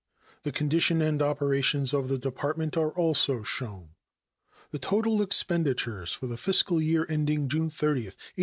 The condition and operations of the Department are also shown. The total expenditures for the fiscal year ending June 30, 1877, were $16,077,974.